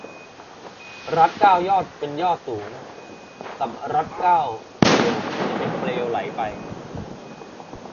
รัดเกล้ายอดเป็นยอดสูง กับรัดเกล้าเปลว จะเป็นเปลวไหลไป